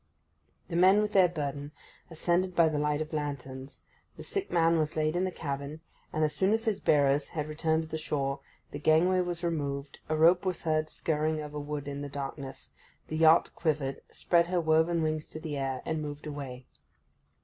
The men, with their burden, ascended by the light of lanterns, the sick man was laid in the cabin, and, as soon as his bearers had returned to the shore, the gangway was removed, a rope was heard skirring over wood in the darkness, the yacht quivered, spread her woven wings to the air, and moved away.